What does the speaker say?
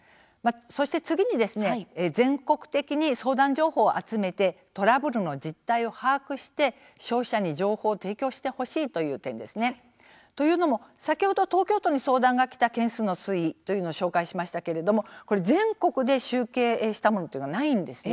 次に全国的に相談情報を集めてトラブルの実態を把握して消費者に情報を提供してほしいという点ですね。というのも、先ほど東京都に相談がきた件数の推移は紹介しましたが全国で集計したものがないんです。